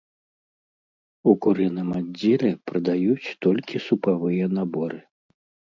У курыным аддзеле прадаюць толькі супавыя наборы.